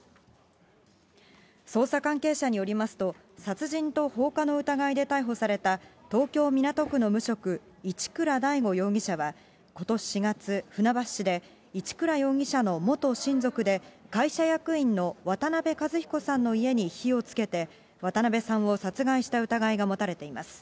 捜査関係者によりますと、殺人と放火の疑いで逮捕された東京・港区の無職、一倉大悟容疑者は、ことし４月、船橋市で一倉容疑者の元親族で、会社役員の渡辺和彦さんの家に火をつけて、渡辺さんを殺害した疑いが持たれています。